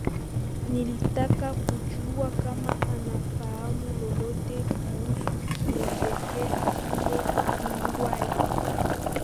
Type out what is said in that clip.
Nilitaka kujua kama anafahamu lolote kuhusu Kinjeketile Ngwale